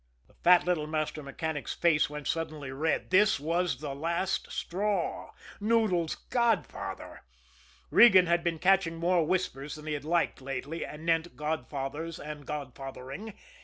The fat little master mechanic's face went suddenly red this was the last straw Noodles' godfather! Regan had been catching more whispers than he had liked lately anent godfathers and godfathering.